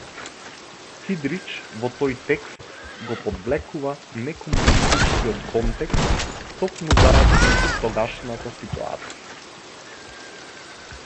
Кидрич во тој текст го подвлекува некомунистичкиот контекст токму заради тогашната ситуација.